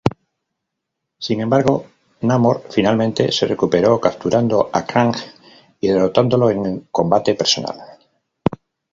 Sin embargo, Namor finalmente se recuperó, capturando a Krang y derrotándolo en combate personal.